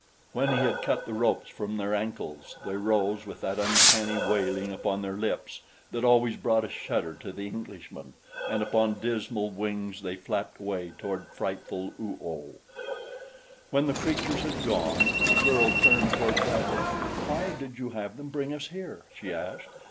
When he had cut the ropes from their ankles they rose with that uncanny wailing upon their lips that always brought a shudder to the Englishman, and upon dismal wings they flapped away toward frightful Oo oh. When the creatures had gone, the girl turned toward Bradley. "Why did you have them bring us here?" she asked.